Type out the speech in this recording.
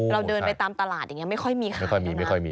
เราเดินไปตามตลาดอย่างนี้ไม่ค่อยมีขายแล้วนะ